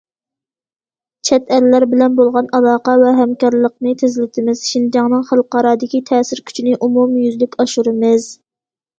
چەت ئەللەر بىلەن بولغان ئالاقە ۋە ھەمكارلىقنى تېزلىتىمىز، شىنجاڭنىڭ خەلقئارادىكى تەسىر كۈچىنى ئومۇميۈزلۈك ئاشۇرىمىز.